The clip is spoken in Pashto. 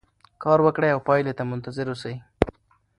کار وکړئ او پایلې ته منتظر اوسئ.